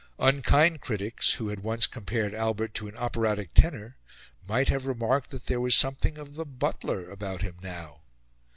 Unkind critics, who had once compared Albert to an operatic tenor, might have remarked that there was something of the butler about him now.